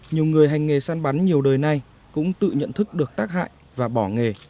nhiều người hành nghề săn bắn nhiều đời nay cũng tự nhận thức được tác hại và bỏ nghề